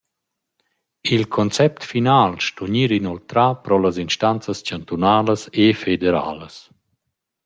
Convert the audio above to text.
Il concept final sto gnir inoltrà pro las instanzas chantunalas e federalas.